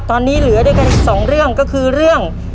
ตอนนี้เหลือด้วยกันอีกสองเรื่องก็คือเรื่อง